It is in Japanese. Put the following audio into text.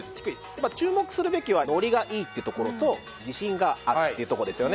やっぱ注目するべきはノリがいいってところと自信があるっていうとこですよね